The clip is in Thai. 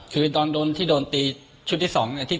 คือตอนโดนที่โดนตีชุดที่๒